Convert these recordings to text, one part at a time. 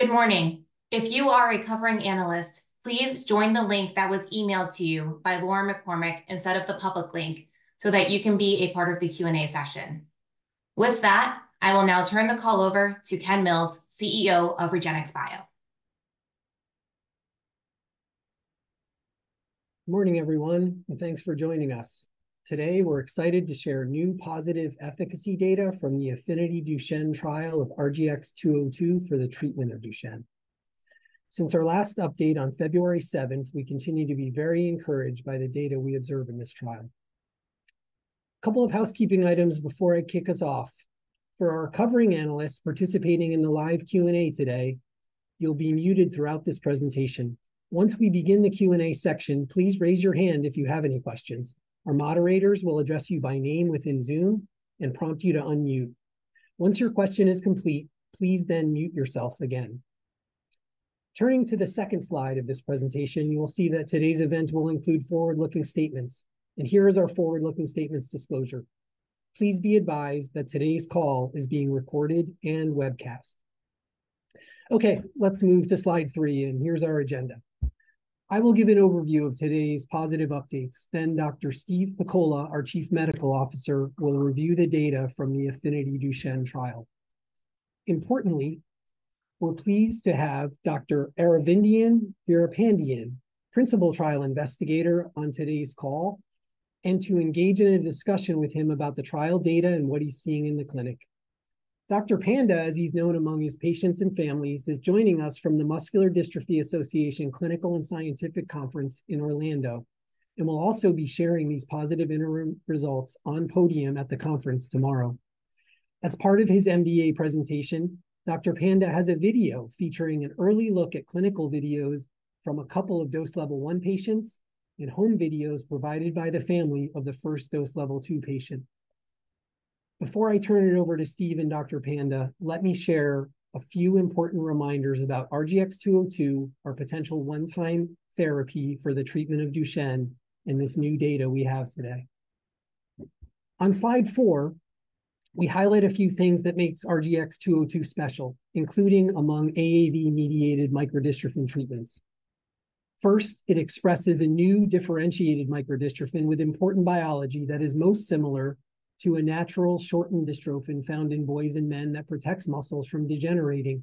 Good morning. If you are a covering analyst, please join the link that was emailed to you by Laura McCormick instead of the public link so that you can be a part of the Q&A session. With that, I will now turn the call over to Ken Mills, CEO of REGENXBIO. Good morning, everyone, and thanks for joining us. Today we're excited to share new positive efficacy data from the AFFINITY DUCHENNE trial of RGX-202 for the treatment of Duchenne. Since our last update on February 7th, we continue to be very encouraged by the data we observe in this trial. A couple of housekeeping items before I kick us off. For our covering analysts participating in the live Q&A today, you'll be muted throughout this presentation. Once we begin the Q&A section, please raise your hand if you have any questions. Our moderators will address you by name within Zoom and prompt you to unmute. Once your question is complete, please then mute yourself again. Turning to the second slide of this presentation, you will see that today's event will include forward-looking statements. Here is our forward-looking statements disclosure. Please be advised that today's call is being recorded and webcast. Okay, let's move to slide three, and here's our agenda. I will give an overview of today's positive updates. Then Dr. Steve Pakola, our Chief Medical Officer, will review the data from the AFFINITY DUCHENNE trial. Importantly, we're pleased to have Dr. Aravindhan Veerapandiyan, principal trial investigator on today's call, and to engage in a discussion with him about the trial data and what he's seeing in the clinic. Dr. Panda, as he's known among his patients and families, is joining us from the Muscular Dystrophy Association Clinical and Scientific Conference in Orlando and will also be sharing these positive interim results on podium at the conference tomorrow. As part of his MDA presentation, Dr. Panda has a video featuring an early look at clinical videos from a couple of dose level one patients and home videos provided by the family of the first dose level two patient. Before I turn it over to Steve and Dr. Panda, let me share a few important reminders about RGX-202, our potential one-time therapy for the treatment of Duchenne in this new data we have today. On slide four, we highlight a few things that make RGX-202 special, including among AAV-mediated microdystrophin treatments. First, it expresses a new differentiated microdystrophin with important biology that is most similar to a natural shortened dystrophin found in boys and men that protects muscles from degenerating.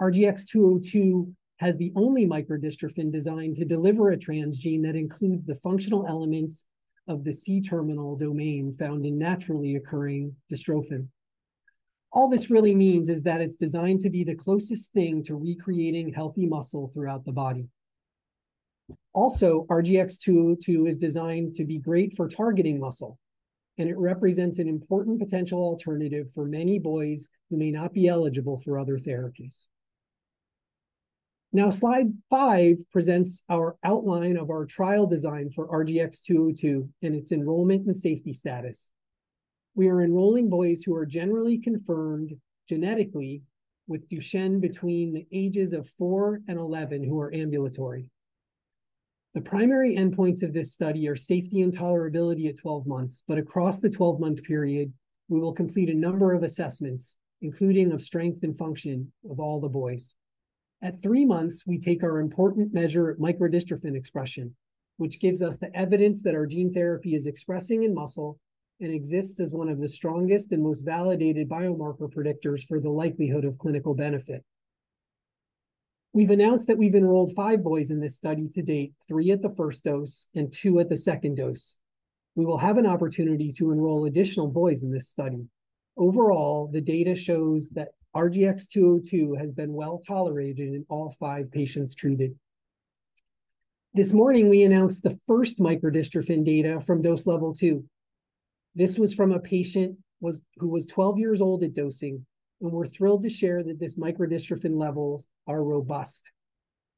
RGX-202 has the only microdystrophin designed to deliver a transgene that includes the functional elements of the C-terminal domain found in naturally occurring dystrophin. All this really means is that it's designed to be the closest thing to recreating healthy muscle throughout the body. Also, RGX-202 is designed to be great for targeting muscle, and it represents an important potential alternative for many boys who may not be eligible for other therapies. Now, slide 5 presents our outline of our trial design for RGX-202 and its enrollment and safety status. We are enrolling boys who are generally confirmed genetically with Duchenne between the ages of 4 and 11, who are ambulatory. The primary endpoints of this study are safety and tolerability at 12 months, but across the 12-month period, we will complete a number of assessments, including of strength and function of all the boys. At three months, we take our important measure of microdystrophin expression, which gives us the evidence that our gene therapy is expressing in muscle and exists as one of the strongest and most validated biomarker predictors for the likelihood of clinical benefit. We've announced that we've enrolled five boys in this study to date, three at the first dose and two at the second dose. We will have an opportunity to enroll additional boys in this study. Overall, the data shows that RGX-202 has been well tolerated in all five patients treated. This morning, we announced the first microdystrophin data from dose level two. This was from a patient who was 12 years old at dosing, and we're thrilled to share that this microdystrophin levels are robust.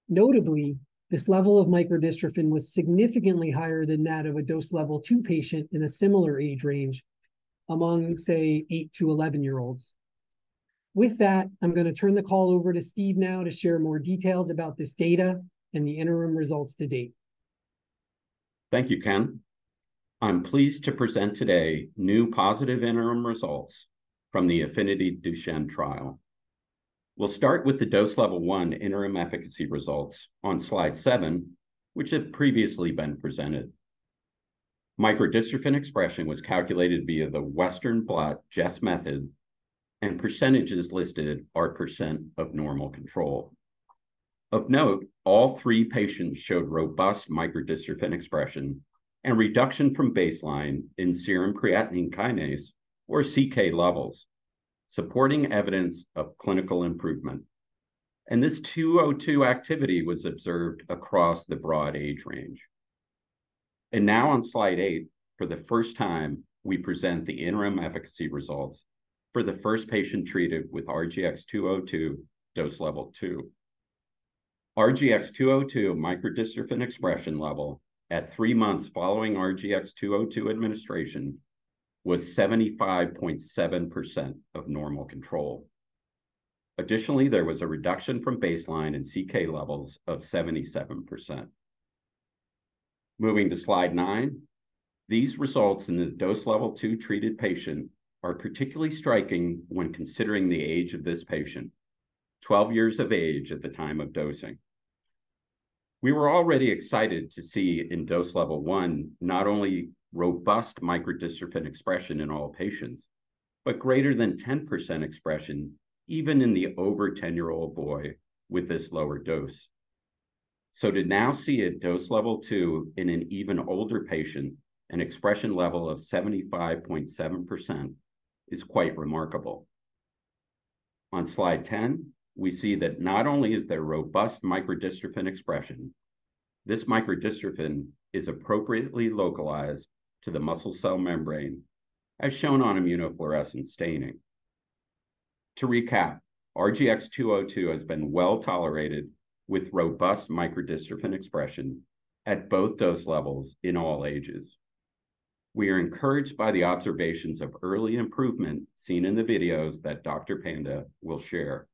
Notably, this level of Microdystrophin was significantly higher than that of a dose level two patient in a similar age range among, say, eight-11-year-olds. With that, I'm going to turn the call over to Steve now to share more details about this data and the interim results to date. Thank you, Ken. I'm pleased to present today new positive interim results from the AFFINITY DUCHENNE trial. We'll start with the dose level one interim efficacy results on slide 7, which have previously been presented. Microdystrophin expression was calculated via the Western blot Jess method, and percentages listed are percent of normal control. Of note, all three patients showed robust microdystrophin expression and reduction from baseline in serum creatine kinase, or CK, levels, supporting evidence of clinical improvement. This RGX-202 activity was observed across the broad age range. Now on slide 8, for the first time, we present the interim efficacy results for the first patient treated with RGX-202, dose level two. RGX-202 microdystrophin expression level at three months following RGX-202 administration was 75.7% of normal control. Additionally, there was a reduction from baseline in CK levels of 77%. Moving to slide nine, these results in the dose level two treated patient are particularly striking when considering the age of this patient, 12 years of age at the time of dosing. We were already excited to see in dose level one not only robust microdystrophin expression in all patients, but greater than 10% expression even in the over 10-year-old boy with this lower dose. To now see at dose level two in an even older patient an expression level of 75.7% is quite remarkable. On slide 10, we see that not only is there robust microdystrophin expression, this microdystrophin is appropriately localized to the muscle cell membrane, as shown on immunofluorescent staining. To recap, RGX-202 has been well tolerated with robust microdystrophin expression at both dose levels in all ages. We are encouraged by the observations of early improvement seen in the videos that Dr. Panda will share.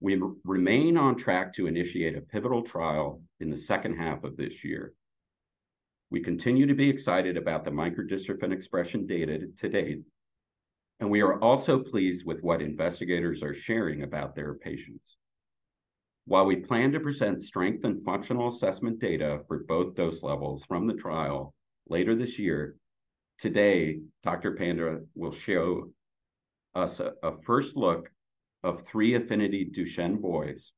We remain on track to initiate a pivotal trial in the second half of this year. We continue to be excited about the microdystrophin expression data to date, and we are also pleased with what investigators are sharing about their patients. While we plan to present strength and functional assessment data for both dose levels from the trial later this year, today Dr. Panda will show us a first look of three AFFINITY DUCHENNE boys.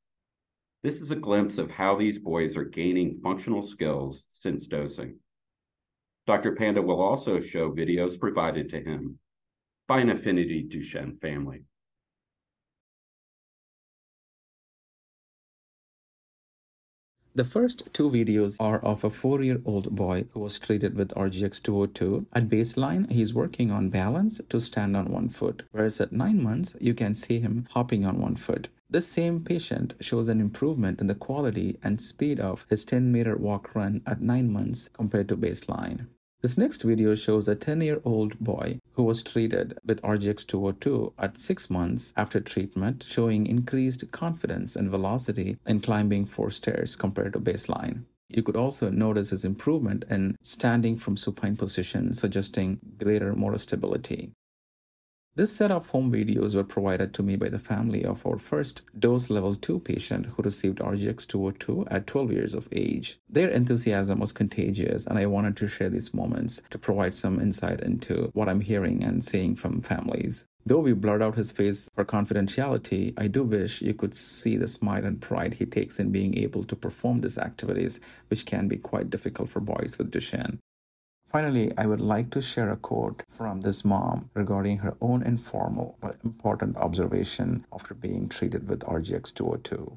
This is a glimpse of how these boys are gaining functional skills since dosing. Dr. Panda will also show videos provided to him by an AFFINITY DUCHENNE family. The first two videos are of a four-year-old boy who was treated with RGX-202. At baseline, he's working on balance to stand on one foot, whereas at nine months, you can see him hopping on one foot. This same patient shows an improvement in the quality and speed of his 10-meter walk run at nine months compared to baseline. This next video shows a 10-year-old boy who was treated with RGX-202 at six months after treatment, showing increased confidence and velocity in climbing four stairs compared to baseline. You could also notice his improvement in standing from supine position, suggesting greater motor stability. This set of home videos was provided to me by the family of our first dose level two patient who received RGX-202 at 12 years of age. Their enthusiasm was contagious, and I wanted to share these moments to provide some insight into what I'm hearing and seeing from families. Though we blurred out his face for confidentiality, I do wish you could see the smile and pride he takes in being able to perform these activities, which can be quite difficult for boys with Duchenne. Finally, I would like to share a quote from this mom regarding her own informal but important observation after being treated with RGX-202.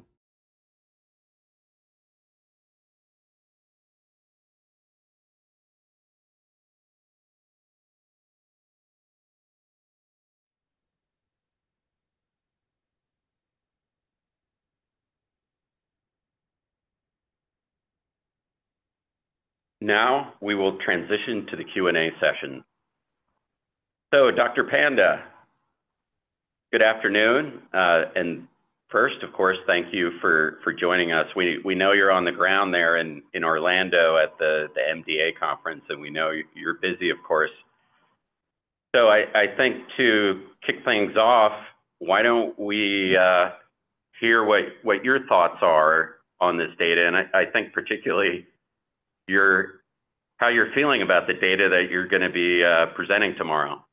Now we will transition to the Q&A session. So, Dr. Panda, good afternoon. And first, of course, thank you for joining us. We know you're on the ground there in Orlando at the MDA conference, and we know you're busy, of course. So I think to kick things off, why don't we hear what your thoughts are on this data, and I think particularly how you're feeling about the data that you're going to be presenting tomorrow.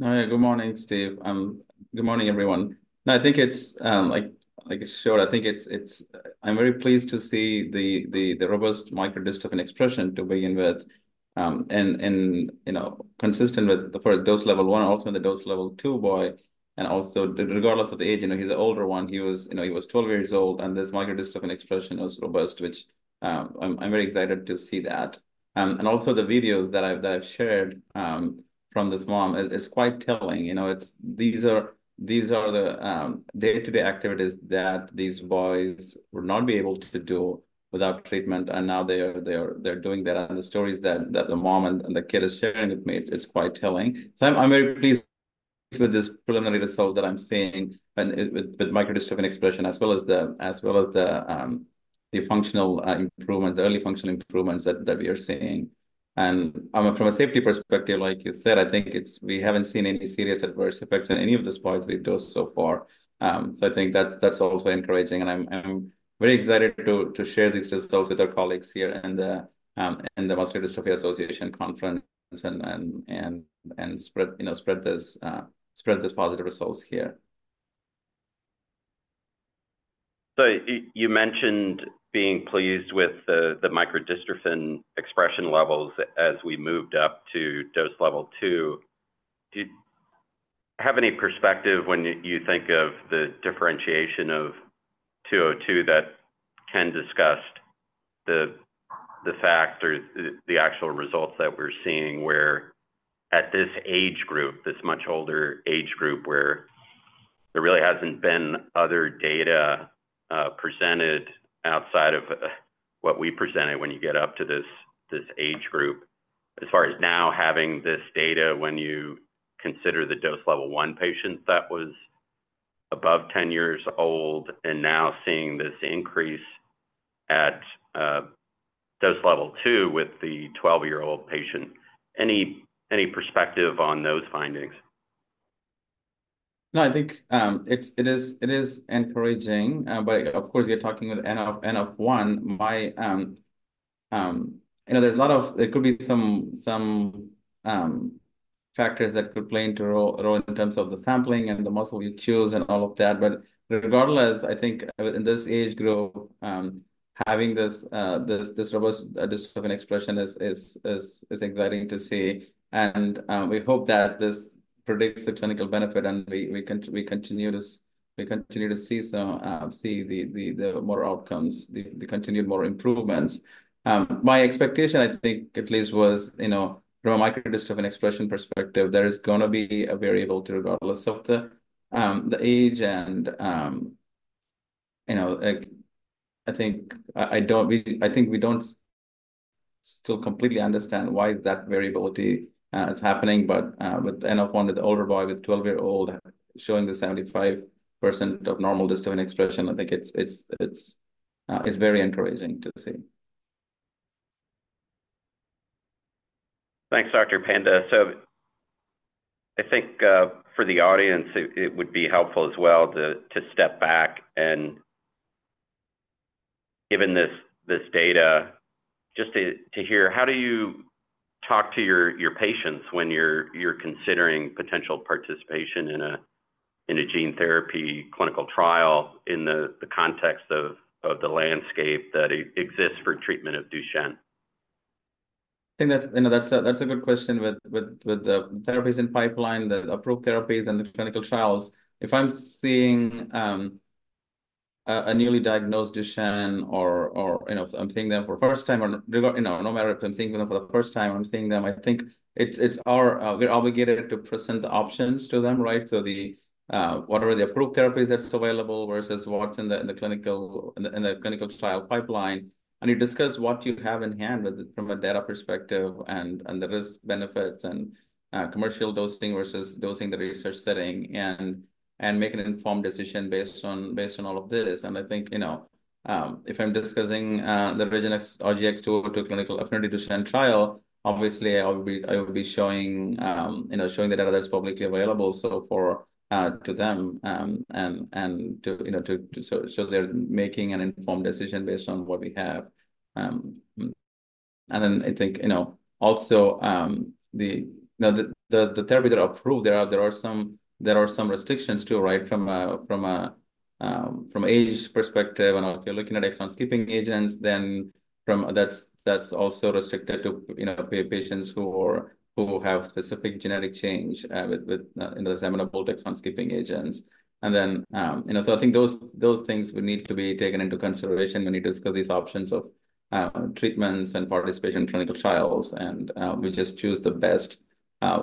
Good morning, Steve. Good morning, everyone. No, I think it's like I showed. I think it's I'm very pleased to see the robust microdystrophin expression to begin with and consistent with the dose level one, also in the dose level two boy. And also, regardless of the age, he's an older one. He was 12 years old, and this microdystrophin expression was robust, which I'm very excited to see that. And also the videos that I've shared from this mom are quite telling. These are the day-to-day activities that these boys would not be able to do without treatment, and now they're doing that. And the stories that the mom and the kid are sharing with me, it's quite telling. So I'm very pleased with these preliminary results that I'm seeing with microdystrophin expression as well as the functional improvements, early functional improvements that we are seeing. From a safety perspective, like you said, I think we haven't seen any serious adverse effects in any of the spots we've dosed so far. I think that's also encouraging, and I'm very excited to share these results with our colleagues here and the Muscular Dystrophy Association conference and spread these positive results here. So you mentioned being pleased with the microdystrophin expression levels as we moved up to dose level two. Do you have any perspective when you think of the differentiation of 202 that Ken discussed, the facts or the actual results that we're seeing where at this age group, this much older age group where there really hasn't been other data presented outside of what we presented when you get up to this age group? As far as now having this data when you consider the dose level one patient that was above 10 years old and now seeing this increase at dose level two with the 12-year-old patient, any perspective on those findings? No, I think it is encouraging, but of course, you're talking with NF1. There's a lot of, there could be some factors that could play a role in terms of the sampling and the muscle you choose and all of that. But regardless, I think in this age group, having this robust dystrophin expression is exciting to see, and we hope that this predicts the clinical benefit, and we continue to see the more outcomes, the continued more improvements. My expectation, I think at least, was from a microdystrophin expression perspective, there is going to be a variability regardless of the age and I think we don't still completely understand why that variability is happening, but with NF1, with the older boy, with 12-year-old showing the 75% of normal dystrophin expression, I think it's very encouraging to see. Thanks, Dr. Panda. So I think for the audience, it would be helpful as well to step back and, given this data, just to hear, how do you talk to your patients when you're considering potential participation in a gene therapy clinical trial in the context of the landscape that exists for treatment of Duchenne? I think that's a good question with the therapies in pipeline, the approved therapies and the clinical trials. If I'm seeing a newly diagnosed Duchenne or I'm seeing them for the first time or no matter if I'm seeing them for the first time or I'm seeing them, I think we're obligated to present the options to them, right? So what are the approved therapies that's available versus what's in the clinical trial pipeline? And you discuss what you have in hand from a data perspective and the risk benefits and commercial dosing versus dosing the research setting and make an informed decision based on all of this. And I think if I'm discussing the REGENXBIO RGX-202 clinical AFFINITY DUCHENNE trial, obviously, I will be showing the data that's publicly available to them and to show they're making an informed decision based on what we have. And then I think also the therapies that are approved, there are some restrictions too, right? From an age perspective, and if you're looking at exon skipping agents, then that's also restricted to patients who have specific genetic change with amenable exon skipping agents. And then so I think those things would need to be taken into consideration when you discuss these options of treatments and participation in clinical trials, and we just choose the best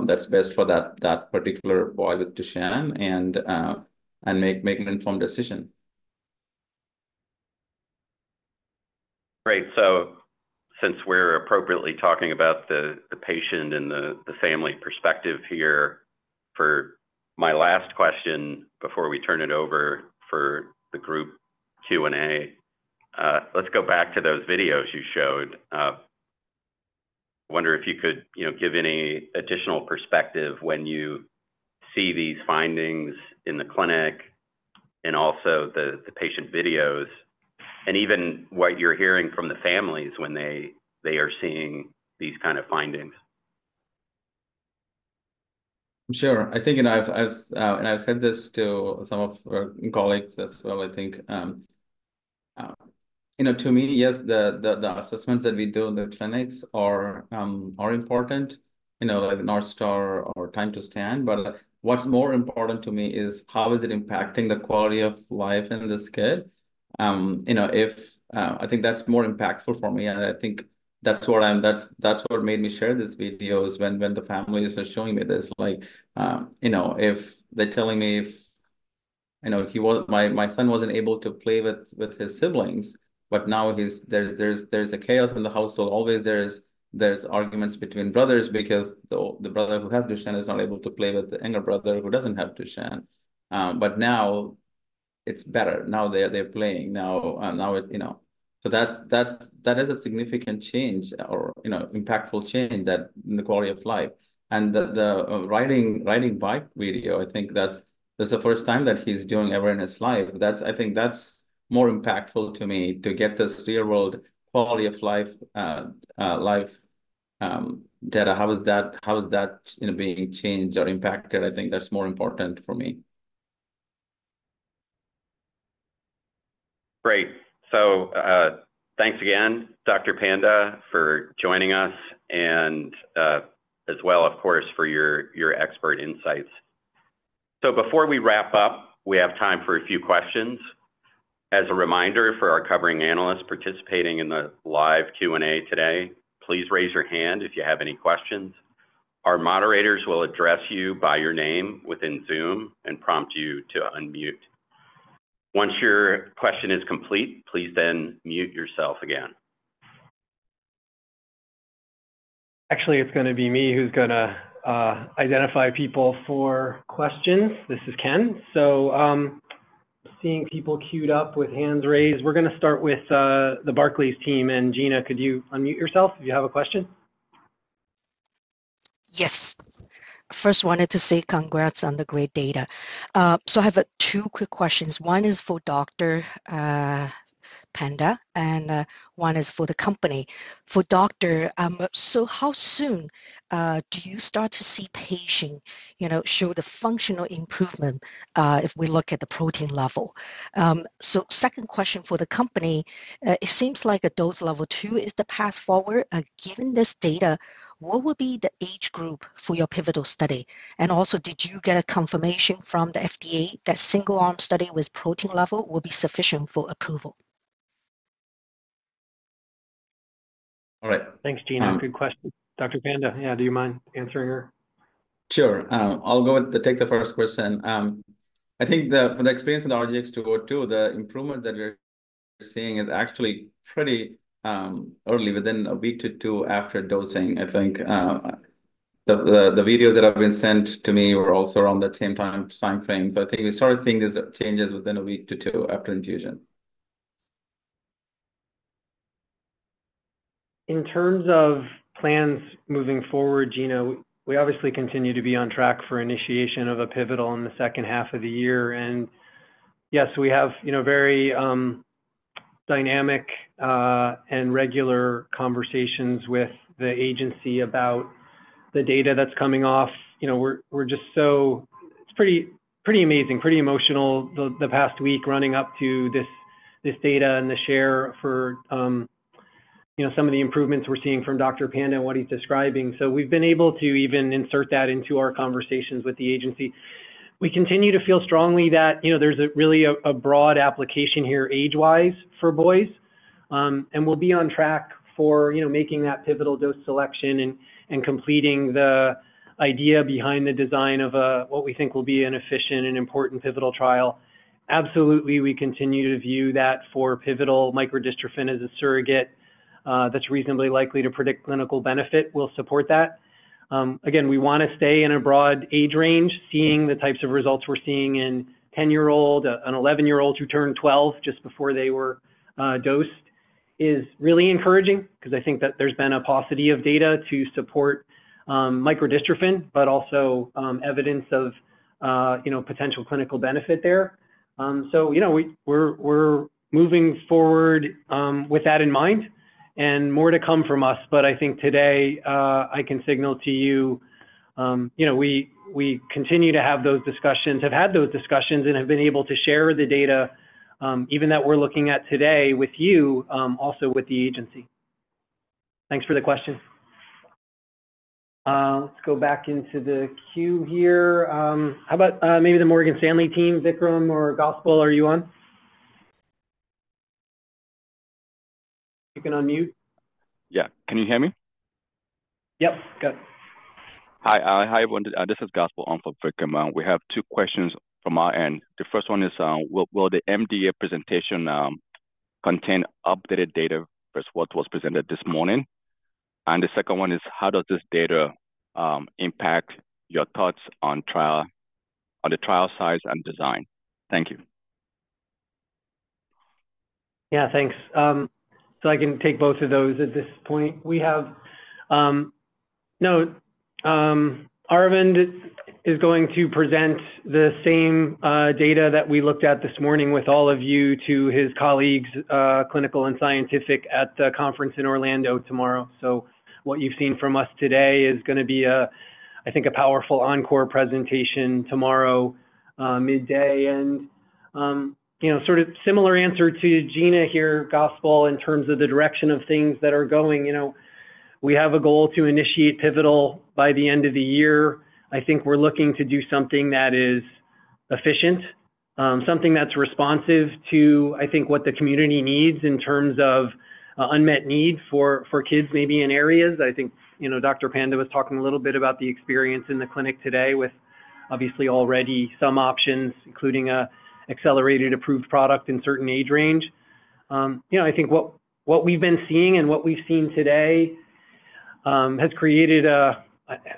that's best for that particular boy with Duchenne and make an informed decision. Great. So since we're appropriately talking about the patient and the family perspective here, for my last question before we turn it over for the group Q&A, let's go back to those videos you showed. I wonder if you could give any additional perspective when you see these findings in the clinic and also the patient videos and even what you're hearing from the families when they are seeing these kind of findings. Sure. I think I've said this to some of our colleagues as well, I think. To me, yes, the assessments that we do in the clinics are important, like North Star or Time to Stand, but what's more important to me is how is it impacting the quality of life in this kid? I think that's more impactful for me, and I think that's what made me share these videos when the families are showing me this. If they're telling me if my son wasn't able to play with his siblings, but now there's a chaos in the household, always there's arguments between brothers because the brother who has Duchenne is not able to play with the younger brother who doesn't have Duchenne. But now it's better. Now they're playing. Now it so that is a significant change or impactful change in the quality of life. The riding bike video, I think that's the first time that he's doing ever in his life. I think that's more impactful to me to get this real-world quality of life data. How is that being changed or impacted? I think that's more important for me. Great. So thanks again, Dr. Panda, for joining us and as well, of course, for your expert insights. So before we wrap up, we have time for a few questions. As a reminder for our covering analysts participating in the live Q&A today, please raise your hand if you have any questions. Our moderators will address you by your name within Zoom and prompt you to unmute. Once your question is complete, please then mute yourself again. Actually, it's going to be me who's going to identify people for questions. This is Ken. So I'm seeing people queued up with hands raised. We're going to start with the Barclays team. And Gina, could you unmute yourself if you have a question? Yes. First, wanted to say congrats on the great data. So I have two quick questions. One is for Dr. Panda, and one is for the company. For Dr., so how soon do you start to see patients show the functional improvement if we look at the protein level? So second question for the company, it seems like a dose level two is the path forward. Given this data, what would be the age group for your pivotal study? And also, did you get a confirmation from the FDA that single-arm study with protein level will be sufficient for approval? All right. Thanks, Gina. Good question. Dr. Panda, yeah, do you mind answering her? Sure. I'll take the first question. I think for the experience with RGX-202, the improvement that we're seeing is actually pretty early within a week to 2 after dosing, I think. The videos that have been sent to me were also around the same time frame. So I think we started seeing these changes within a week to two after infusion. In terms of plans moving forward, Gina, we obviously continue to be on track for initiation of a pivotal in the second half of the year. Yes, we have very dynamic and regular conversations with the agency about the data that's coming off. We're just so it's pretty amazing, pretty emotional the past week running up to this data and the share for some of the improvements we're seeing from Dr. Panda and what he's describing. So we've been able to even insert that into our conversations with the agency. We continue to feel strongly that there's really a broad application here age-wise for boys. We'll be on track for making that pivotal dose selection and completing the idea behind the design of what we think will be an efficient and important pivotal trial. Absolutely, we continue to view that for pivotal microdystrophin as a surrogate that's reasonably likely to predict clinical benefit. We'll support that. Again, we want to stay in a broad age range. Seeing the types of results we're seeing in 10-year-old, an 11-year-old who turned 12 just before they were dosed is really encouraging because I think that there's been a paucity of data to support microdystrophin, but also evidence of potential clinical benefit there. So we're moving forward with that in mind, and more to come from us. But I think today, I can signal to you, we continue to have those discussions, have had those discussions, and have been able to share the data even that we're looking at today with you, also with the agency. Thanks for the question. Let's go back into the queue here. How about maybe the Morgan Stanley team, Vikram or Gospel, are you on? You can unmute. Yeah. Can you hear me? Yep. Good. Hi, everyone. This is Gospel on from Vikram. We have two questions from our end. The first one is, Will the MDA presentation contain updated data versus what was presented this morning? The second one is, How does this data impact your thoughts on the trial size and design? Thank you. Yeah, thanks. So I can take both of those at this point. No, Arvind is going to present the same data that we looked at this morning with all of you to his colleagues, clinical and scientific, at the conference in Orlando tomorrow. So what you've seen from us today is going to be, I think, a powerful encore presentation tomorrow midday. And sort of similar answer to Gina here, Gospel, in terms of the direction of things that are going. We have a goal to initiate pivotal by the end of the year. I think we're looking to do something that is efficient, something that's responsive to, I think, what the community needs in terms of unmet need for kids maybe in areas. I think Dr. Panda was talking a little bit about the experience in the clinic today with obviously already some options, including an accelerated approved product in certain age range. I think what we've been seeing and what we've seen today has created, I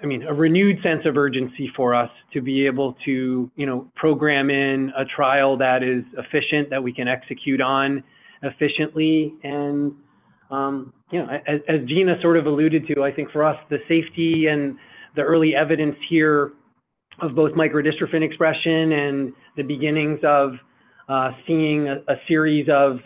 mean, a renewed sense of urgency for us to be able to program in a trial that is efficient, that we can execute on efficiently. And as Gina sort of alluded to, I think for us, the safety and the early evidence here of both microdystrophin expression and the beginnings of seeing a series of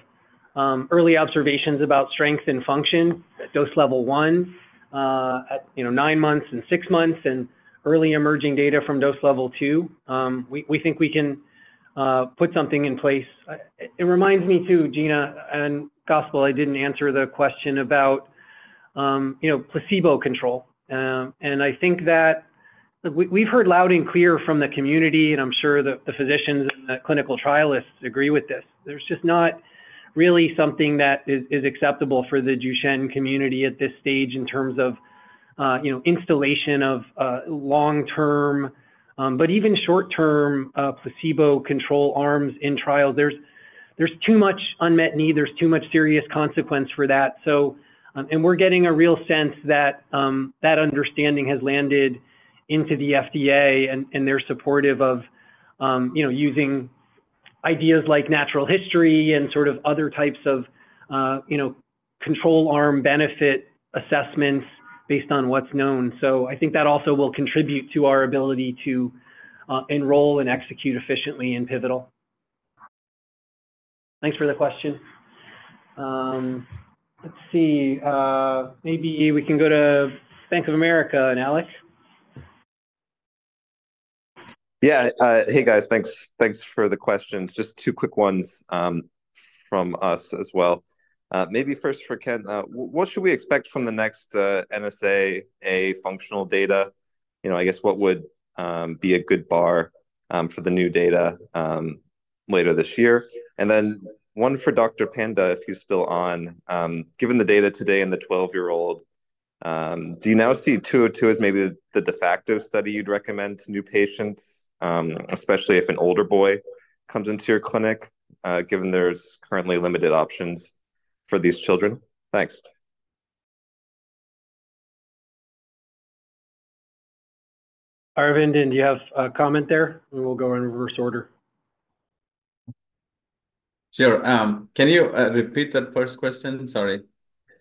early observations about strength and function at dose level one at nine months and six months and early emerging data from dose level two, we think we can put something in place. It reminds me too, Gina and Gospel, I didn't answer the question about placebo control. And I think that we've heard loud and clear from the community, and I'm sure the physicians and the clinical trialist agree with this. There's just not really something that is acceptable for the Duchenne community at this stage in terms of installation of long-term but even short-term placebo control arms in trials. There's too much unmet need. There's too much serious consequence for that. And we're getting a real sense that that understanding has landed into the FDA, and they're supportive of using ideas like natural history and sort of other types of control arm benefit assessments based on what's known. So I think that also will contribute to our ability to enroll and execute efficiently in pivotal. Thanks for the question. Let's see. Maybe we can go to Bank of America and Alec. Yeah. Hey, guys. Thanks for the questions. Just two quick ones from us as well. Maybe first for Ken, what should we expect from the next NSAA functional data? I guess what would be a good bar for the new data later this year? And then one for Dr. Panda, if he's still on. Given the data today in the 12-year-old, do you now see 202 as maybe the de facto study you'd recommend to new patients, especially if an older boy comes into your clinic given there's currently limited options for these children? Thanks. Aravindhan, did you have a comment there? And we'll go in reverse order. Sure. Can you repeat that first question? Sorry.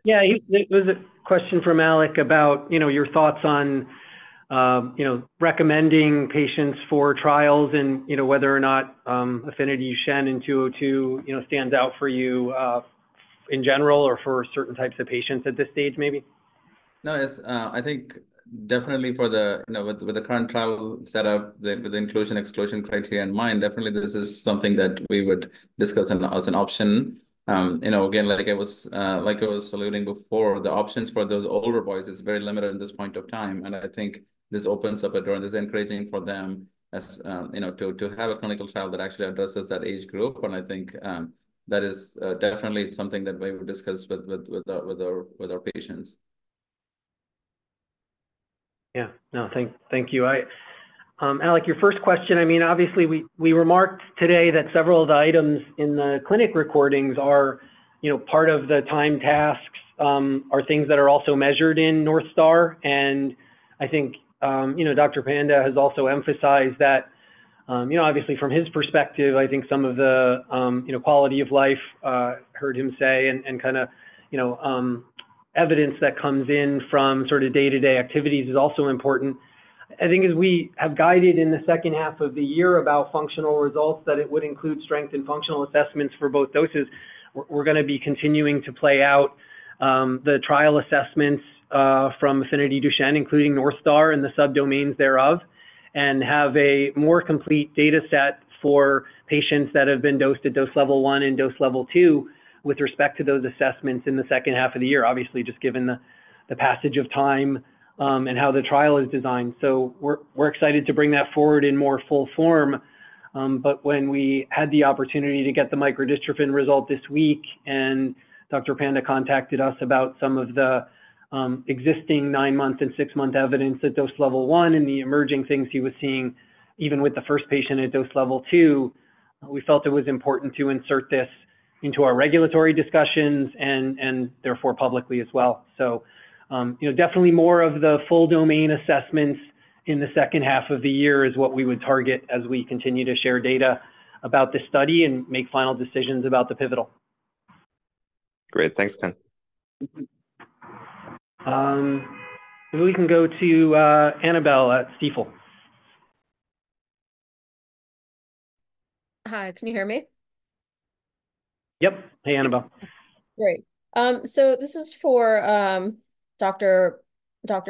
Yeah. It was a question from Alec about your thoughts on recommending patients for trials and whether or not AFFINITY DUCHENNE and 202 stand out for you in general or for certain types of patients at this stage maybe? No, yes. I think definitely for the with the current trial setup, with the inclusion/exclusion criteria in mind, definitely this is something that we would discuss as an option. Again, like I was alluding before, the options for those older boys is very limited at this point of time. And I think this opens up a door and is encouraging for them to have a clinical trial that actually addresses that age group. And I think that is definitely something that we would discuss with our patients. Yeah. No, thank you. Alec, your first question, I mean, obviously, we remarked today that several of the items in the clinical readouts are part of the timed tasks, are things that are also measured in North Star. And I think Dr. Panda has also emphasized that obviously, from his perspective, I think some of the quality of life, heard him say, and kind of evidence that comes in from sort of day-to-day activities is also important. I think as we have guided in the second half of the year about functional results, that it would include strength and functional assessments for both doses. We're going to be continuing to play out the trial assessments from AFFINITY DUCHENNE, including North Star and the subdomains thereof, and have a more complete dataset for patients that have been dosed at dose level one and dose level two with respect to those assessments in the second half of the year, obviously, just given the passage of time and how the trial is designed. So we're excited to bring that forward in more full form. But when we had the opportunity to get the microdystrophin result this week and Dr. Panda contacted us about some of the existing 9-month and 6-month evidence at dose level one and the emerging things he was seeing even with the first patient at dose level two, we felt it was important to insert this into our regulatory discussions and therefore publicly as well. Definitely more of the full domain assessments in the second half of the year is what we would target as we continue to share data about this study and make final decisions about the pivotal. Great. Thanks, Ken. Maybe we can go to Annabel at Stifel. Hi. Can you hear me? Yep. Hey, Annabel. Great. So this is for Dr.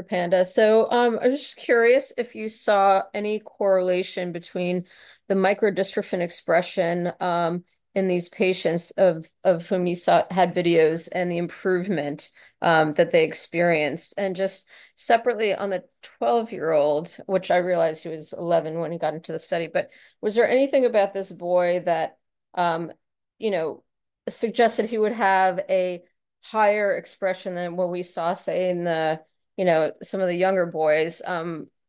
Panda. So I was just curious if you saw any correlation between the Microdystrophin expression in these patients of whom you had videos and the improvement that they experienced? And just separately on the 12-year-old, which I realized he was 11 when he got into the study, but was there anything about this boy that suggested he would have a higher expression than what we saw, say, in some of the younger boys?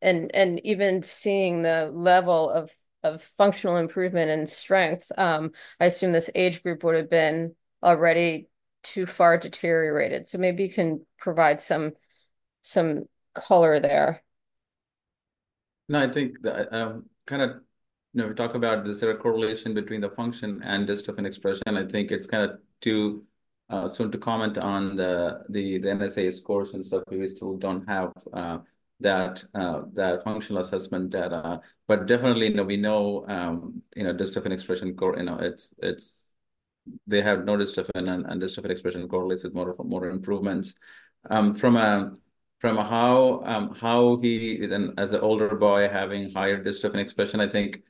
And even seeing the level of functional improvement and strength, I assume this age group would have been already too far deteriorated. So maybe you can provide some color there. No, I think kind of talk about the sort of correlation between the function and dystrophin expression. I think it's kind of too soon to comment on the NSAA scores and stuff. We still don't have that functional assessment data. But definitely, we know dystrophin expression, they have no dystrophin and dystrophin expression correlates with more improvements. From how he, as an older boy, having higher dystrophin expression, I think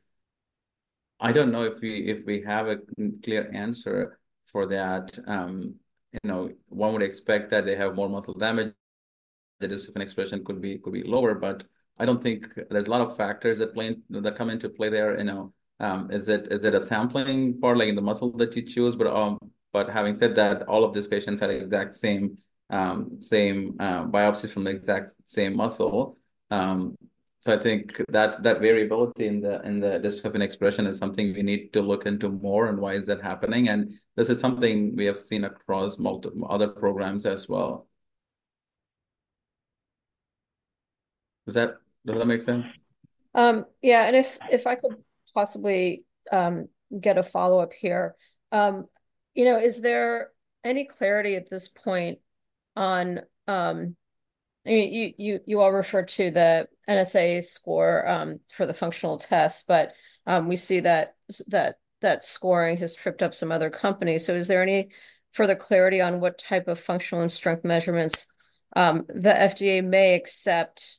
I don't know if we have a clear answer for that. One would expect that they have more muscle damage. The dystrophin expression could be lower. But I don't think there's a lot of factors that come into play there. Is it a sampling part in the muscle that you choose? But having said that, all of these patients had exact same biopsies from the exact same muscle. I think that variability in the Dystrophin expression is something we need to look into more and why is that happening. This is something we have seen across other programs as well. Does that make sense? Yeah. If I could possibly get a follow-up here, is there any clarity at this point on—I mean, you all referred to the NSAA score for the functional test, but we see that scoring has tripped up some other companies. Is there any further clarity on what type of functional and strength measurements the FDA may accept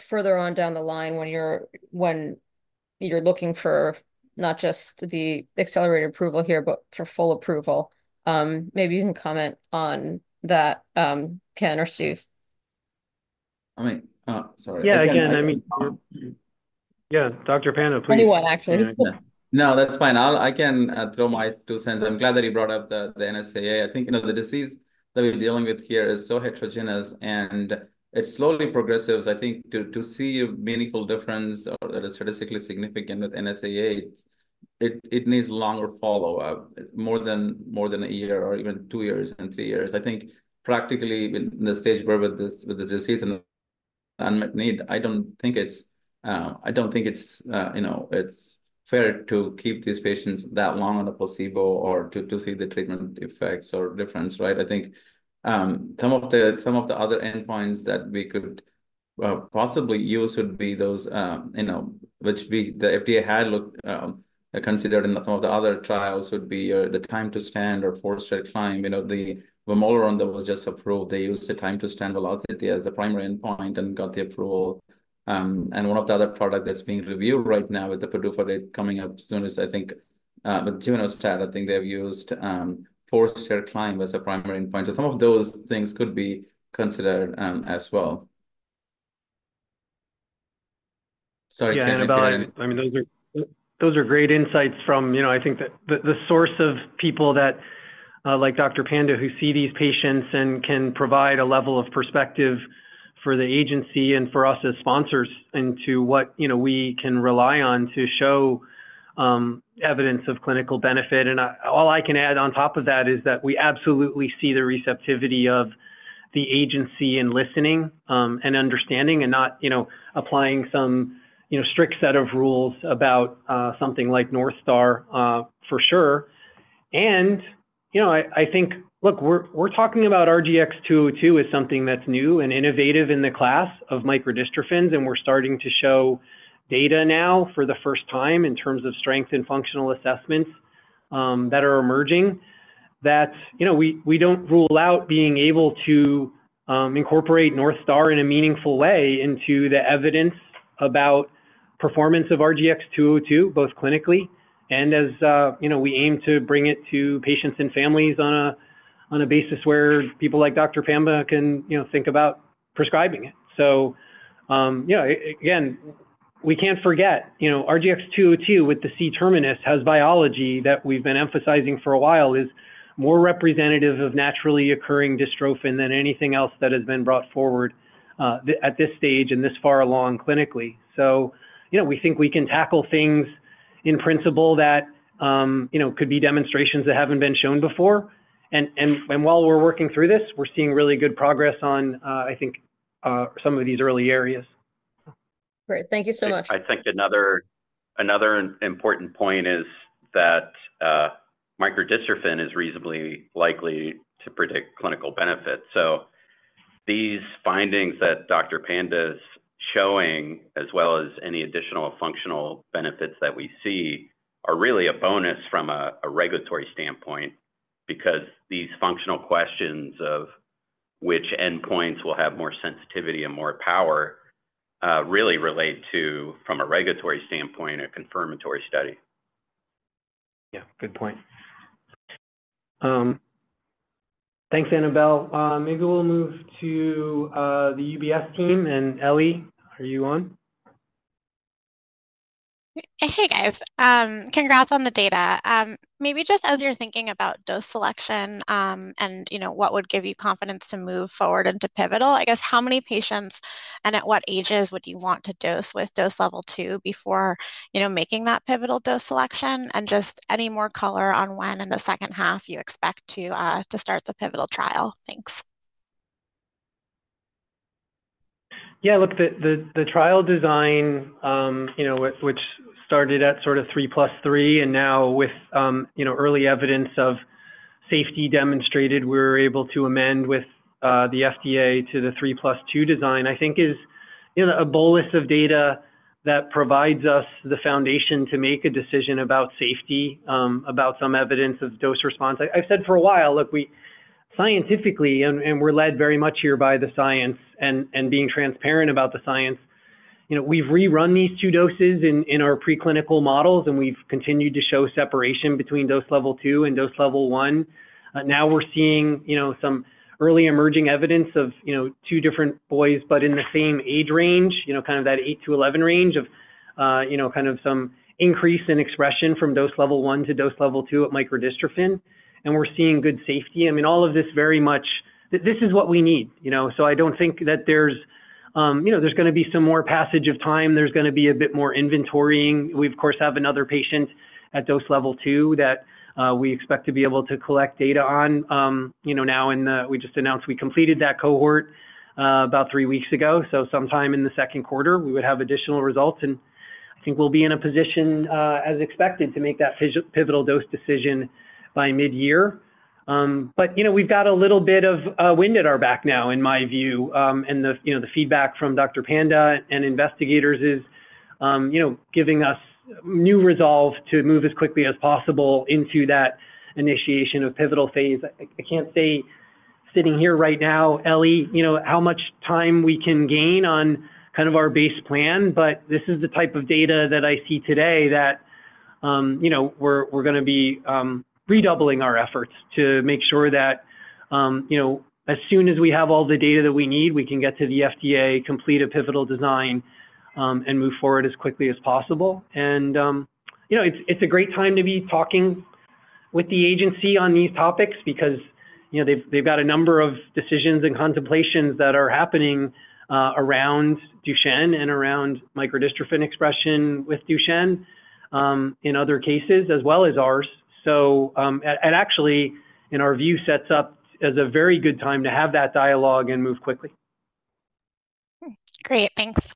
further on down the line when you're looking for not just the accelerated approval here but for full approval? Maybe you can comment on that, Ken or Steve. I mean, sorry. Yeah, again, I mean, yeah, Dr. Panda, please. Anyone, actually. No, that's fine. I can throw my two cents. I'm glad that he brought up the NSAA. I think the disease that we're dealing with here is so heterogeneous, and it slowly progresses. I think to see a meaningful difference or that is statistically significant with NSAA, it needs longer follow-up, more than a year or even two years and years. I think practically, in the stage we're with this disease and unmet need, I don't think it's fair to keep these patients that long on a placebo or to see the treatment effects or difference, right? I think some of the other endpoints that we could possibly use would be those which the FDA had considered in some of the other trials would be the time to stand or four-stair climb. The vamorolone that was just approved, they used the time to stand velocity as a primary endpoint and got the approval. One of the other products that's being reviewed right now with the PDUFA for it coming up soon is, I think, with givinostat, I think they have used four-stair climb as a primary endpoint. So some of those things could be considered as well. Sorry, Ken. Yeah, Annabel, I mean, those are great insights from I think the source of people like Dr. Panda who see these patients and can provide a level of perspective for the agency and for us as sponsors into what we can rely on to show evidence of clinical benefit. And all I can add on top of that is that we absolutely see the receptivity of the agency in listening and understanding and not applying some strict set of rules about something like North Star for sure. I think, look, we're talking about RGX-202 as something that's new and innovative in the class of microdystrophins, and we're starting to show data now for the first time in terms of strength and functional assessments that are emerging that we don't rule out being able to incorporate North Star in a meaningful way into the evidence about performance of RGX-202 both clinically and as we aim to bring it to patients and families on a basis where people like Dr. Panda can think about prescribing it. Again, we can't forget RGX-202 with the C terminus has biology that we've been emphasizing for a while is more representative of naturally occurring dystrophin than anything else that has been brought forward at this stage and this far along clinically. So we think we can tackle things in principle that could be demonstrations that haven't been shown before. While we're working through this, we're seeing really good progress on, I think, some of these early areas. Great. Thank you so much. I think another important point is that microdystrophin is reasonably likely to predict clinical benefits. So these findings that Dr. Panda is showing as well as any additional functional benefits that we see are really a bonus from a regulatory standpoint because these functional questions of which endpoints will have more sensitivity and more power really relate to, from a regulatory standpoint, a confirmatory study. Yeah. Good point. Thanks, Annabel. Maybe we'll move to the UBS team. And Ellie, are you on? Hey, guys. Congrats on the data. Maybe just as you're thinking about dose selection and what would give you confidence to move forward into Pivotal, I guess, how many patients and at what ages would you want to dose with dose level two before making that Pivotal dose selection? Just any more color on when in the second half you expect to start the Pivotal trial. Thanks. Yeah. Look, the trial design, which started at sort of 3+3 and now with early evidence of safety demonstrated, we were able to amend with the FDA to the 3+2 design, I think, is a bolus of data that provides us the foundation to make a decision about safety, about some evidence of dose response. I've said for a while, look, scientifically, and we're led very much here by the science and being transparent about the science, we've rerun these 2 doses in our preclinical models, and we've continued to show separation between dose level two and dose level one. Now we're seeing some early emerging evidence of 2 different boys but in the same age range, kind of that 8-11 range of kind of some increase in expression from dose level one to dose level two at microdystrophin. And we're seeing good safety. I mean, all of this very much this is what we need. So I don't think that there's going to be some more passage of time. There's going to be a bit more inventorying. We, of course, have another patient at dose level two that we expect to be able to collect data on now in the we just announced we completed that cohort about 3 weeks ago. So sometime in the second quarter, we would have additional results. And I think we'll be in a position, as expected, to make that Pivotal dose decision by mid-year. But we've got a little bit of wind at our back now, in my view. And the feedback from Dr. Panda and investigators is giving us new resolve to move as quickly as possible into that initiation of Pivotal phase. I can't say sitting here right now, Ellie, how much time we can gain on kind of our base plan. But this is the type of data that I see today that we're going to be redoubling our efforts to make sure that as soon as we have all the data that we need, we can get to the FDA, complete a Pivotal design, and move forward as quickly as possible. And it's a great time to be talking with the agency on these topics because they've got a number of decisions and contemplations that are happening around Duchenne and around microdystrophin expression with Duchenne in other cases as well as ours. So it actually, in our view, sets up as a very good time to have that dialogue and move quickly. Great. Thanks.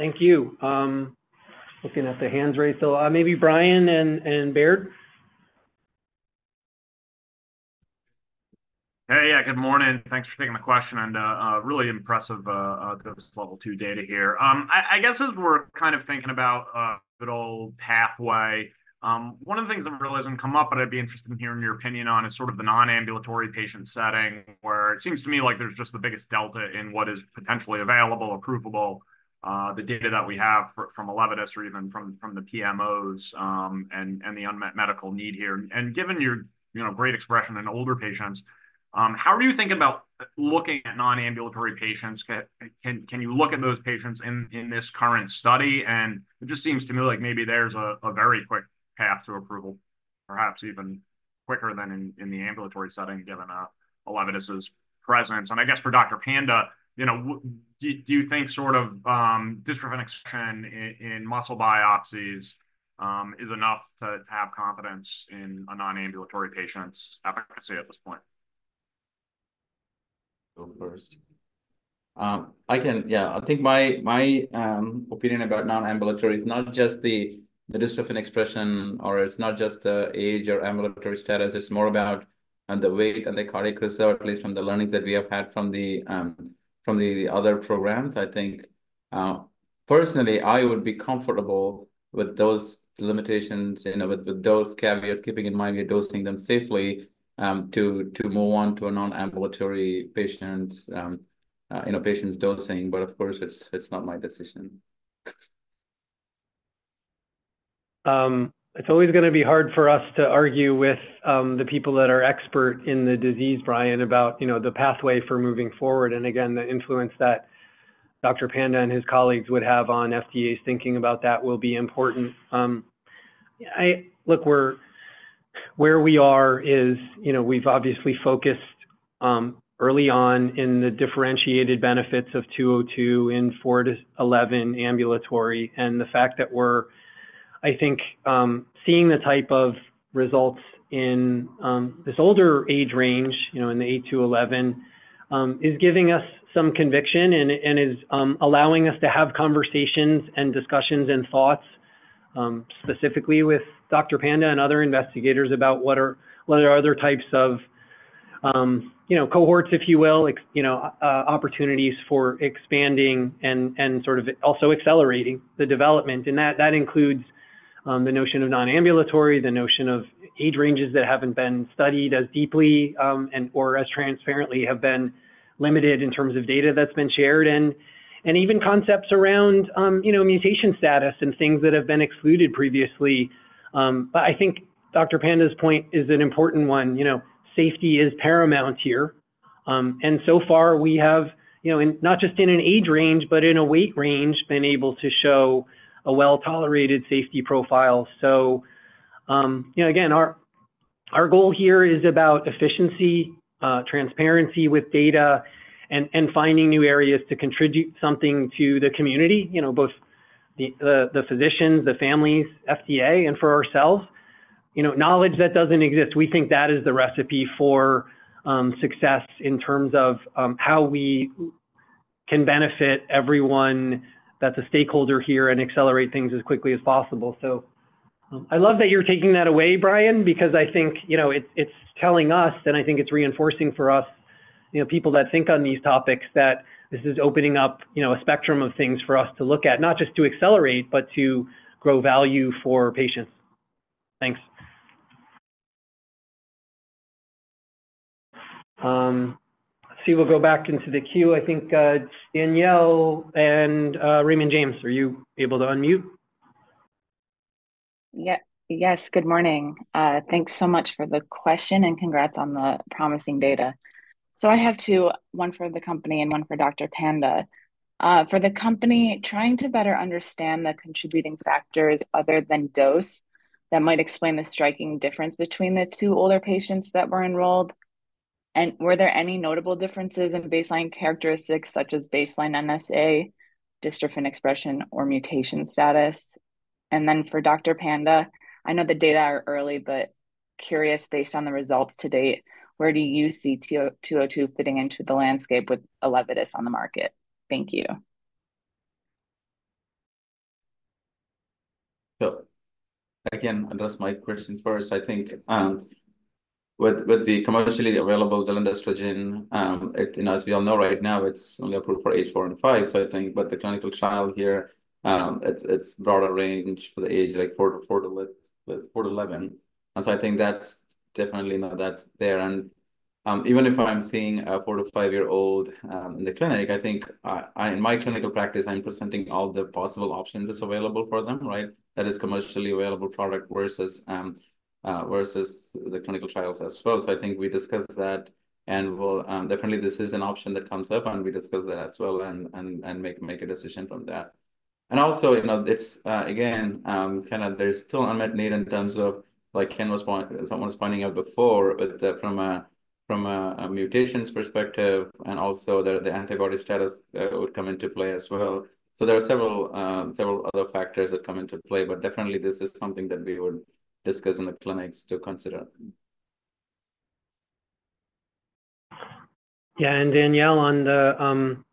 Thank you. Looking at the hands raised still. Maybe Brian and Baird? Hey, yeah. Good morning. Thanks for taking the question. And really impressive dose level two data here. I guess as we're kind of thinking about the whole pathway, one of the things that really hasn't come up, but I'd be interested in hearing your opinion on, is sort of the non-ambulatory patient setting where it seems to me like there's just the biggest delta in what is potentially available, approvable, the data that we have from Elevidys or even from the PMOs and the unmet medical need here. And given your great expression in older patients, how are you thinking about looking at non-ambulatory patients? Can you look at those patients in this current study? And it just seems to me like maybe there's a very quick path to approval, perhaps even quicker than in the ambulatory setting given Elevidys's presence. And I guess for Dr. Panda, do you think sort of dystrophin expression in muscle biopsies is enough to have confidence in a non-ambulatory patient's efficacy at this point? Go first. I can, yeah. I think my opinion about non-ambulatory is not just the dystrophin expression, or it's not just the age or ambulatory status. It's more about the weight and the cardiac reserve, at least from the learnings that we have had from the other programs. I think, personally, I would be comfortable with those limitations, with those caveats, keeping in mind we're dosing them safely to move on to a non-ambulatory patient's dosing. But of course, it's not my decision. It's always going to be hard for us to argue with the people that are expert in the disease, Brian, about the pathway for moving forward. And again, the influence that Dr. Panda and his colleagues would have on FDA's thinking about that will be important. Look, where we are is we've obviously focused early on in the differentiated benefits of 202 in 4-11 ambulatory. And the fact that we're, I think, seeing the type of results in this older age range, in the 8-11, is giving us some conviction and is allowing us to have conversations and discussions and thoughts specifically with Dr. Panda and other investigators about whether there are other types of cohorts, if you will, opportunities for expanding and sort of also accelerating the development. That includes the notion of non-ambulatory, the notion of age ranges that haven't been studied as deeply or as transparently have been limited in terms of data that's been shared, and even concepts around mutation status and things that have been excluded previously. But I think Dr. Panda's point is an important one. Safety is paramount here. So far, we have, not just in an age range, but in a weight range, been able to show a well-tolerated safety profile. Again, our goal here is about efficiency, transparency with data, and finding new areas to contribute something to the community, both the physicians, the families, FDA, and for ourselves. Knowledge that doesn't exist, we think that is the recipe for success in terms of how we can benefit everyone that's a stakeholder here and accelerate things as quickly as possible. So I love that you're taking that away, Brian, because I think it's telling us, and I think it's reinforcing for us, people that think on these topics, that this is opening up a spectrum of things for us to look at, not just to accelerate, but to grow value for patients. Thanks. Let's see. We'll go back into the queue. I think Danielle and Raymond James, are you able to unmute? Yes. Good morning. Thanks so much for the question and congrats on the promising data. So I have two, one for the company and one for Dr. Panda. For the company, trying to better understand the contributing factors other than dose that might explain the striking difference between the two older patients that were enrolled. And were there any notable differences in baseline characteristics such as baseline NSAA, dystrophin expression, or mutation status? And then for Dr. Panda, I know the data are early, but curious, based on the results to date, where do you see 202 fitting into the landscape with Elevidys on the market? Thank you. So I can address my question first. I think with the commercially available delandistrogene, as we all know right now, it's only approved for age 4 and 5. But the clinical trial here, it's broader range for the age like 4-11. And so I think definitely that's there. And even if I'm seeing a 4-5-year-old in the clinic, I think in my clinical practice, I'm presenting all the possible options that's available for them, right? That is commercially available product versus the clinical trials as well. So I think we discuss that. And definitely, this is an option that comes up, and we discuss that as well and make a decision from that. And also, again, kind of there's still unmet need in terms of, like Ken was pointing out before, from a mutations perspective, and also the antibody status would come into play as well. There are several other factors that come into play. Definitely, this is something that we would discuss in the clinics to consider. Yeah. Danielle, on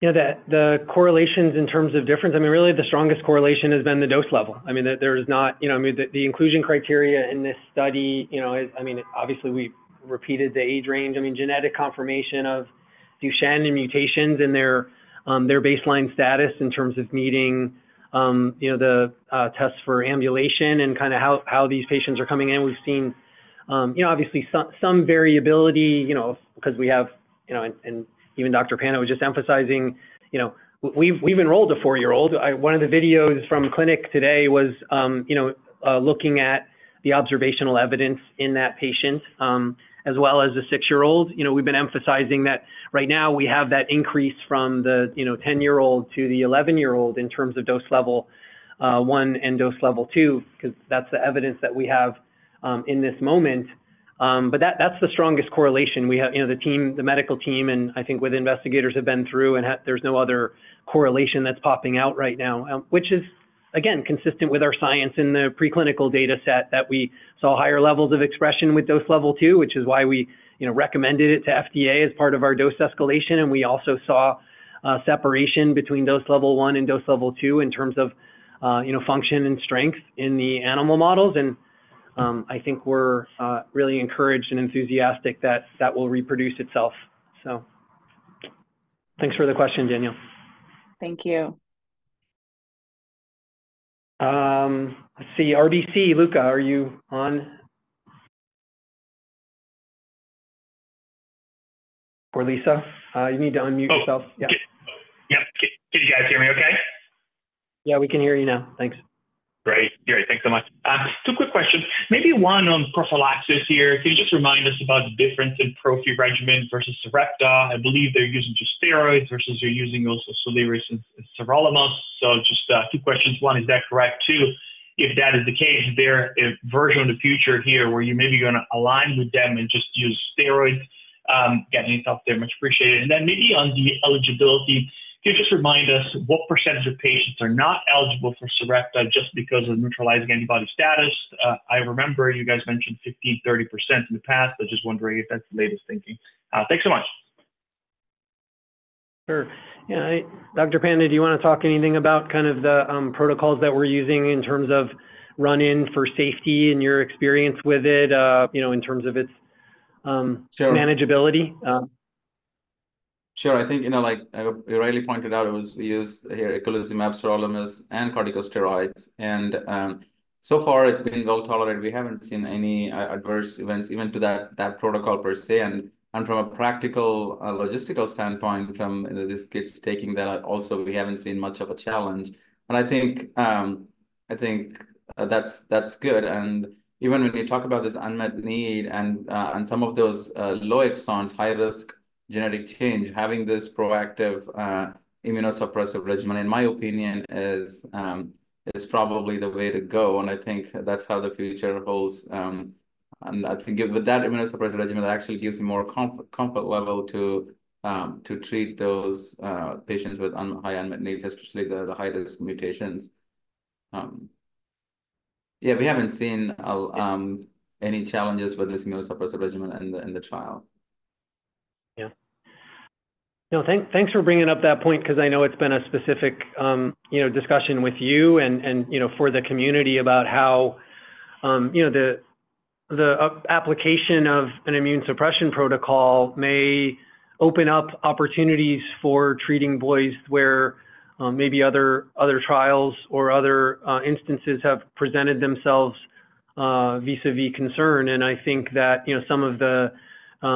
the correlations in terms of difference, I mean, really, the strongest correlation has been the dose level. I mean, the inclusion criteria in this study is I mean, obviously, we repeated the age range. I mean, genetic confirmation of Duchenne and mutations and their baseline status in terms of meeting the tests for ambulation and kind of how these patients are coming in. We've seen, obviously, some variability because we have, and even Dr. Panda was just emphasizing, we've enrolled a 4-year-old. One of the videos from clinic today was looking at the observational evidence in that patient as well as the 6-year-old. We've been emphasizing that right now, we have that increase from the 10-year-old to the 11-year-old in terms of dose level one and dose level two because that's the evidence that we have in this moment. But that's the strongest correlation. The medical team and, I think, with investigators have been through, and there's no other correlation that's popping out right now, which is, again, consistent with our science in the preclinical dataset that we saw higher levels of expression with dose level two, which is why we recommended it to FDA as part of our dose escalation. And we also saw separation between dose level one and dose level two in terms of function and strength in the animal models. And I think we're really encouraged and enthusiastic that that will reproduce itself, so. Thanks for the question, Danielle. Thank you. Let's see. RBC, Luca, are you on? Or Lisa, you need to unmute yourself. Yeah. Yep. Can you guys hear me okay? Yeah, we can hear you now. Thanks. Great. Great. Thanks so much. Two quick questions. Maybe one on prophylaxis here. Can you just remind us about the difference in prophy regimen versus Sarepta? I believe they're using just steroids versus you're using also Soliris and sirolimus. So just two questions. One, is that correct? Two, if that is the case, is there a vision for the future here where you may be going to align with them and just use steroids? Again, any thoughts there? Much appreciated. And then maybe on the eligibility, can you just remind us what percentage of patients are not eligible for Sarepta just because of neutralizing antibody status? I remember you guys mentioned 15%-30% in the past. I'm just wondering if that's the latest thinking. Thanks so much. Sure. Yeah. Dr. Panda, do you want to talk anything about kind of the protocols that we're using in terms of run-in for safety and your experience with it in terms of its manageability? Sure. I think, like you rightly pointed out, we use here eculizumab, sirolimus, and corticosteroids. And so far, it's been well-tolerated. We haven't seen any adverse events even to that protocol per se. And from a practical logistical standpoint, from this kid's taking that, also, we haven't seen much of a challenge. And I think that's good. And even when you talk about this unmet need and some of those low exons, high-risk genetic change, having this proactive immunosuppressive regimen, in my opinion, is probably the way to go. And I think that's how the future holds. And I think with that immunosuppressive regimen, that actually gives me more comfort level to treat those patients with high unmet needs, especially the high-risk mutations. Yeah, we haven't seen any challenges with this immunosuppressive regimen in the trial. Yeah. No, thanks for bringing up that point because I know it's been a specific discussion with you and for the community about how the application of an immune suppression protocol may open up opportunities for treating boys where maybe other trials or other instances have presented themselves vis-à-vis concern. And I think that some of the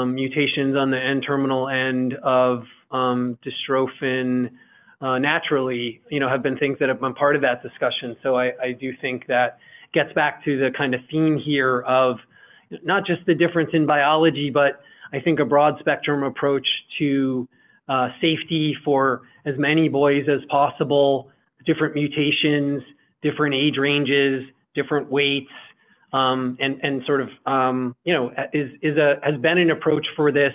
mutations on the N-terminal end of dystrophin naturally have been things that have been part of that discussion. So I do think that gets back to the kind of theme here of not just the difference in biology, but I think a broad-spectrum approach to safety for as many boys as possible, different mutations, different age ranges, different weights, and sort of has been an approach for this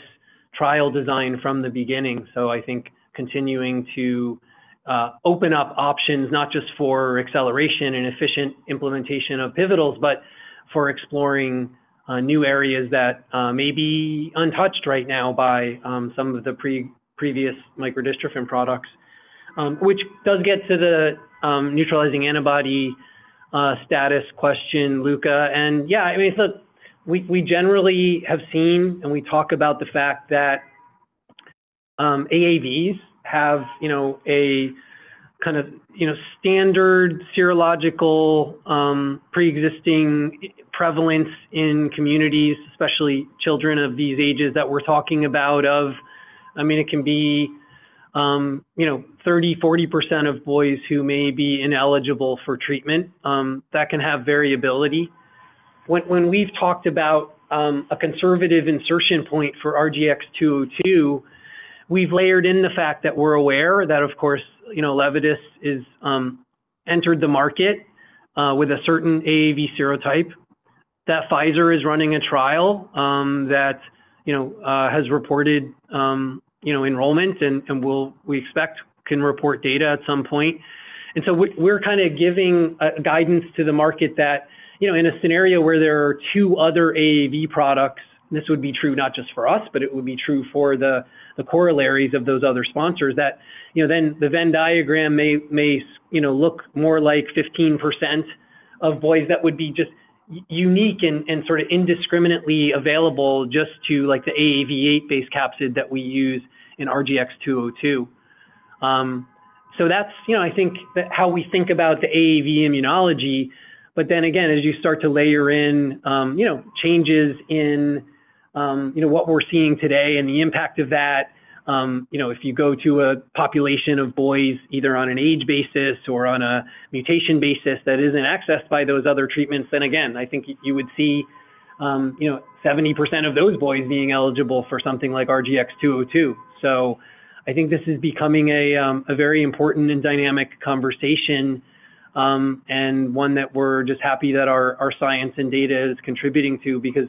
trial design from the beginning. So I think continuing to open up options not just for acceleration and efficient implementation of pivotals, but for exploring new areas that may be untouched right now by some of the previous microdystrophin products, which does get to the neutralizing antibody status question, Luca. And yeah, I mean, so we generally have seen and we talk about the fact that AAVs have a kind of standard serological preexisting prevalence in communities, especially children of these ages that we're talking about of, I mean, it can be 30%-40% of boys who may be ineligible for treatment. That can have variability. When we've talked about a conservative insertion point for RGX-202, we've layered in the fact that we're aware that, of course, Elevidys has entered the market with a certain AAV serotype, that Pfizer is running a trial that has reported enrollment and we expect can report data at some point. So we're kind of giving guidance to the market that in a scenario where there are two other AAV products - and this would be true not just for us, but it would be true for the corollaries of those other sponsors - that then the Venn diagram may look more like 15% of boys that would be just unique and sort of indiscriminately available just to the AAV8-based capsid that we use in RGX-202. So that's, I think, how we think about the AAV immunology. But then again, as you start to layer in changes in what we're seeing today and the impact of that, if you go to a population of boys either on an age basis or on a mutation basis that isn't accessed by those other treatments, then again, I think you would see 70% of those boys being eligible for something like RGX-202. So I think this is becoming a very important and dynamic conversation and one that we're just happy that our science and data is contributing to because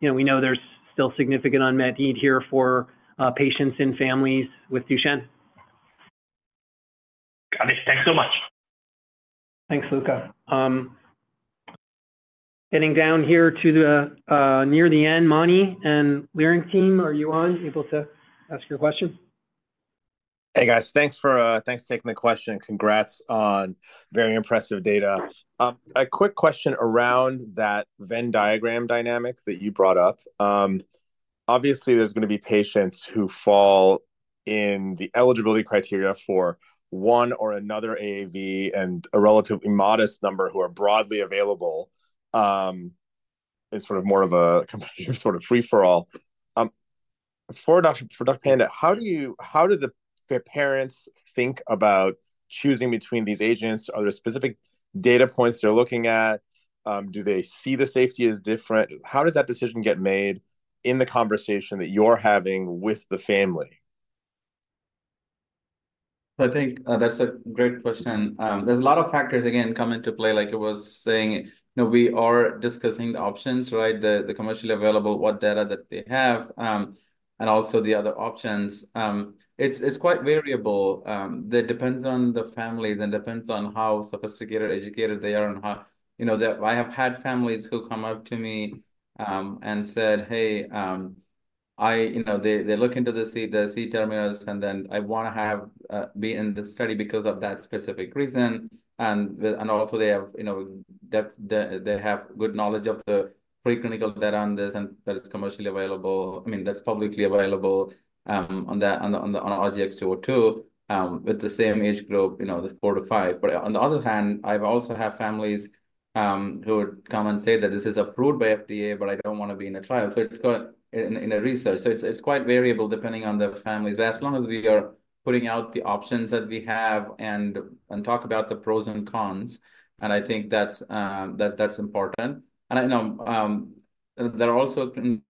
we know there's still significant unmet need here for patients and families with Duchenne. Got it. Thanks so much. Thanks, Luca. Heading down here to near the end, Mani and Leerink team, are you on and able to ask your question? Hey, guys. Thanks for taking the question. Congrats on very impressive data. A quick question around that Venn diagram dynamic that you brought up. Obviously, there's going to be patients who fall in the eligibility criteria for one or another AAV and a relatively modest number who are broadly available in sort of more of a competitive sort of free-for-all. For Dr. Panda, how do the parents think about choosing between these agents? Are there specific data points they're looking at? Do they see the safety as different? How does that decision get made in the conversation that you're having with the family? So I think that's a great question. There's a lot of factors, again, come into play. Like I was saying, we are discussing the options, right? The commercially available, what data that they have, and also the other options. It's quite variable. That depends on the family. That depends on how sophisticated, educated they are and how I have had families who come up to me and said, "Hey," they look into the C-terminals, and then I want to be in the study because of that specific reason. And also, they have good knowledge of the preclinical data on this and that it's commercially available. I mean, that's publicly available on RGX-202 with the same age group, the 4-5. But on the other hand, I also have families who would come and say that this is approved by FDA, but I don't want to be in a trial. So it's in a research. So it's quite variable depending on the families. But as long as we are putting out the options that we have and talk about the pros and cons, and I think that's important. And there are also in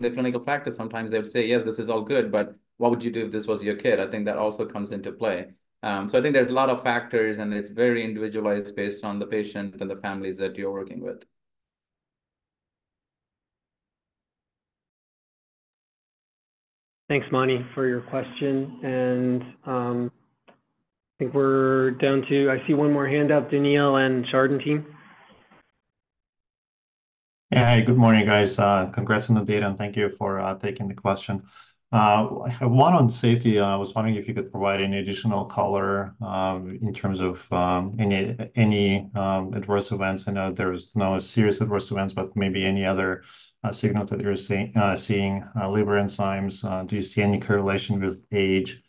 the clinical practice, sometimes they would say, "Yeah, this is all good, but what would you do if this was your kid?" I think that also comes into play. So I think there's a lot of factors, and it's very individualized based on the patient and the families that you're working with. Thanks, Mani, for your question. I think we're down to—I see—one more, Daniil and Chardan team. Hey, good morning, guys. Congrats on the data, and thank you for taking the question. One on safety, I was wondering if you could provide any additional color in terms of any adverse events. I know there's no serious adverse events, but maybe any other signals that you're seeing, liver enzymes. Do you see any correlation with age?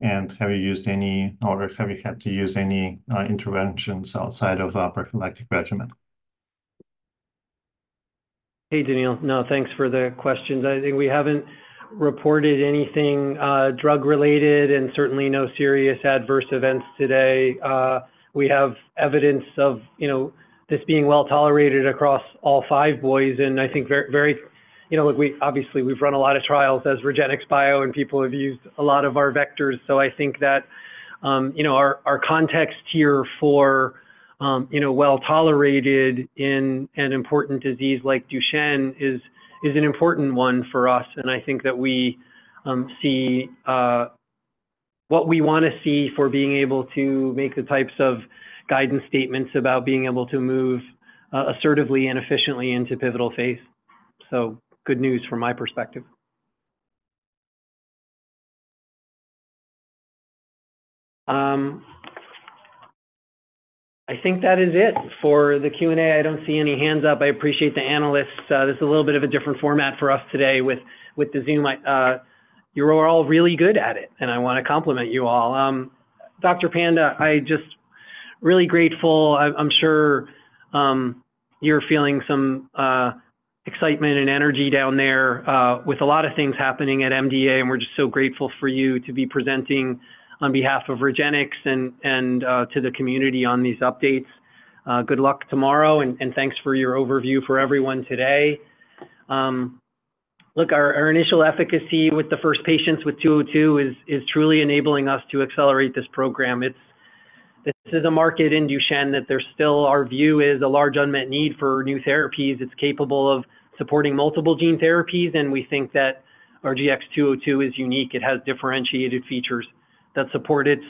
And have you used any or have you had to use any interventions outside of a prophylactic regimen? Hey, Daniil. No, thanks for the questions. I think we haven't reported anything drug-related and certainly no serious adverse events today. We have evidence of this being well-tolerated across all five boys. And I think very, look, obviously, we've run a lot of trials as REGENXBIO, and people have used a lot of our vectors. So I think that our context here for well-tolerated in an important disease like Duchenne is an important one for us. And I think that we see what we want to see for being able to make the types of guidance statements about being able to move assertively and efficiently into pivotal phase. So good news from my perspective. I think that is it for the Q&A. I don't see any hands up. I appreciate the analysts. This is a little bit of a different format for us today with the Zoom. You're all really good at it, and I want to compliment you all. Dr. Panda, I'm just really grateful. I'm sure you're feeling some excitement and energy down there with a lot of things happening at MDA, and we're just so grateful for you to be presenting on behalf of REGENXBIO and to the community on these updates. Good luck tomorrow, and thanks for your overview for everyone today. Look, our initial efficacy with the first patients with RGX-202 is truly enabling us to accelerate this program. This is a market in Duchenne that there still our view is a large unmet need for new therapies. It's capable of supporting multiple gene therapies, and we think that RGX-202 is unique. It has differentiated features that support its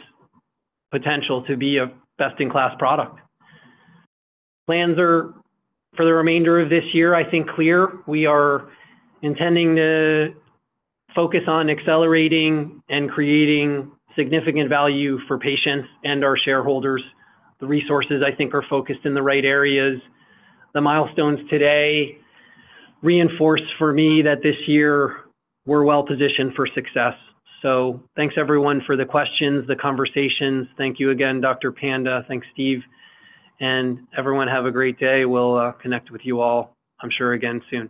potential to be a best-in-class product. Plans are for the remainder of this year, I think, clear. We are intending to focus on accelerating and creating significant value for patients and our shareholders. The resources, I think, are focused in the right areas. The milestones today reinforce for me that this year, we're well-positioned for success. So thanks, everyone, for the questions, the conversations. Thank you again, Dr. Panda. Thanks, Steve. And everyone, have a great day. We'll connect with you all, I'm sure, again soon.